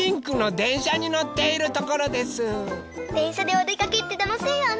でんしゃでおでかけってたのしいよね。